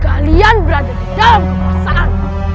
kalian berada di dalam kekuasaan